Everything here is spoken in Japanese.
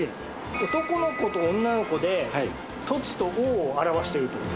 男の子と女の子で凸と凹を表してるって事？